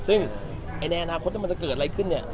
ซึ่งในอนาคตถ้ามันจะเกิดอะไรขึ้นเนี่ย